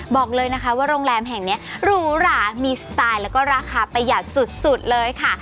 บอกเลยนะคะว่าโรงแรมแห่งนี้หรูหรามีสไตล์แล้วก็ราคาประหยัดสุดเลยค่ะ